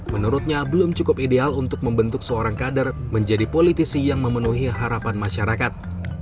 menurutnya belum cukup ideal untuk membentuk seorang kader menjadi politisi yang memenuhi harapan masyarakat